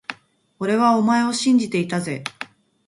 俺はお前を信じていたぜ…